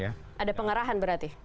ada pengarahan berarti